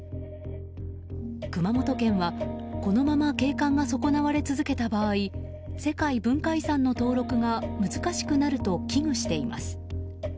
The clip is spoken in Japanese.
熊本県は、このまま景観が損なわれ続けた場合世界文化遺産の登録が難しくなると危惧しています。